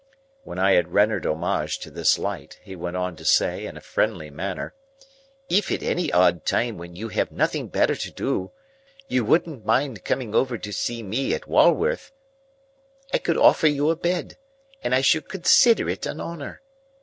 When I had rendered homage to this light, he went on to say, in a friendly manner:— "If at any odd time when you have nothing better to do, you wouldn't mind coming over to see me at Walworth, I could offer you a bed, and I should consider it an honour.